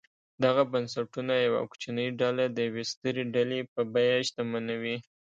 دغه بنسټونه یوه کوچنۍ ډله د یوې سترې ډلې په بیه شتمنوي.